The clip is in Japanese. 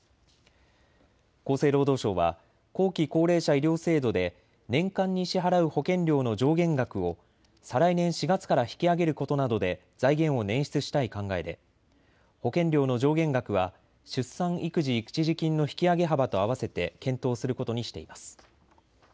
厚生労働省は後期高齢者医療制度で年間に支払う保険料の上限額を再来年４月から引き上げることなどで財源を捻出したい考えで保険料の上限額は出産育児一時金の引き上げ幅とあわせて検討することにしています。